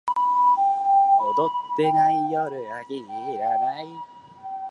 踊ってない夜が気に入らない